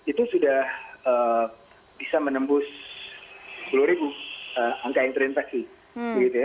itu sudah bisa menembus sepuluh ribu angka yang terinfeksi